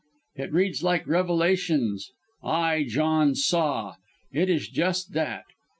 It reads like Revelations: 'I, John, saw.' It is just that.